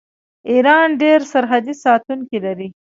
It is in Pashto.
ایران ډیر سرحدي ساتونکي لري.